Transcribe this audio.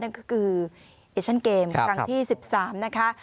นั่นก็คือเอชั่นเกมครั้งที่๑๓นะคะ